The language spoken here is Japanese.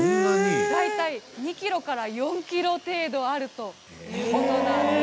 大体２ｋｇから４ｋｇ程度あるということなんです。